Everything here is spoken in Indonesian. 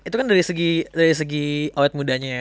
itu kan dari segi awet mudanya ya